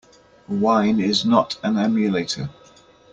Wine is not an emulator.